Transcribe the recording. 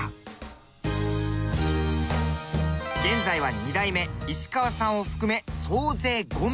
現在は２代目石川さんを含め総勢５名。